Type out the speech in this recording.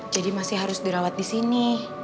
jadi masih harus dirawat di sini